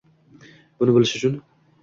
Buni bilish uchun